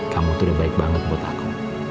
kamu tuh udah baik banget buat aku